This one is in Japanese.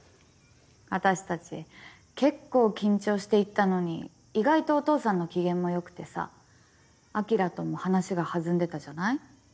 あたしたち結構緊張して行ったのに意外とお父さんの機嫌も良くてさ晶とも話が弾んでたじゃない？